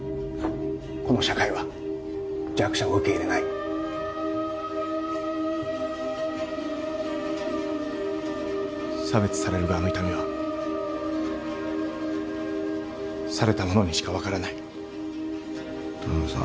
この社会は弱者を受け入れない差別される側の痛みはされた者にしか分からない田辺さん？